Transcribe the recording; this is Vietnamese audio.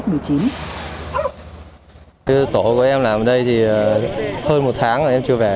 tổ của em làm ở đây thì hơn một tháng rồi em chưa về